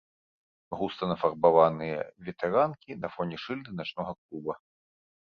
Густа нафарбаваныя ветэранкі на фоне шыльды начнога клуба.